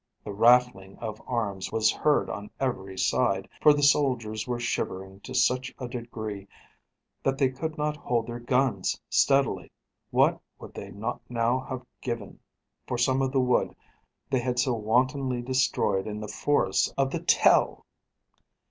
The rattling of arms was heard on every side, for the soldiers were shivering to such a degree that they could not hold their guns steadily. What would they not now have given for some of the wood they had so wantonly destroyed in the forests of the Tell!